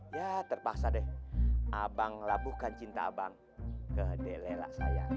ya terpaksa deh abang labuhkan cinta abang ke delela saya